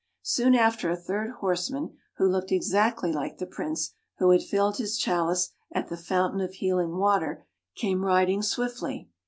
Soon after a third horseman — who looked exactly like the Prince who had filled his chalice at the fountain of healing water — came riding swiftly.